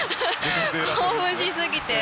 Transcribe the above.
興奮しすぎて。